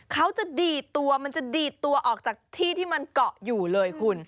เขาจะดีดตัวมันจะดีดตัวออกจากที่ที่มันเกาะอยู่เลยคุณ